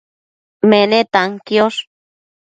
menetan quiosh